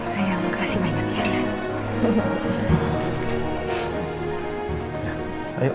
sayang makasih banyak ya